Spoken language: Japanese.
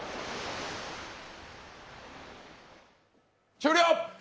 終了！